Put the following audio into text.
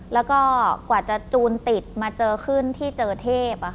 แล้วก็กว่าจะจูนติดมาเจอขึ้นที่เจอเทพ